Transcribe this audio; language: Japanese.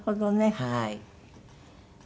はい。